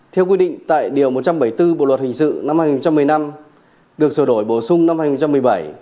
theo quy định tại điều một trăm bảy mươi bốn bộ luật hình sự năm hai nghìn một mươi năm được sửa đổi bổ sung năm hai nghìn một mươi bảy